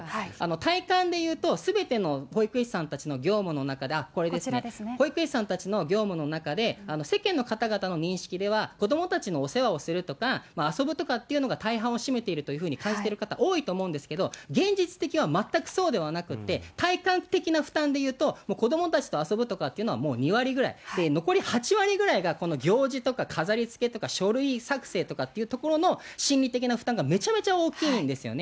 体感でいうと、すべての保育士さんたちの業務の中で、これですね、保育士さんたちの業務の中で、世間の方々の認識では、子どもたちのお世話をするとか、遊ぶとかっていうのが大半を占めているというふうに感じている方多いと思うんですけれども、現実的には全くそうではなくて、体感的な負担でいうと、子どもたちと遊ぶとかっていうのは、もう２割ぐらい、残り８割ぐらいがこの行事とか、飾りつけとか書類作成というところの心理的な負担がめちゃめちゃ大きいんですよね。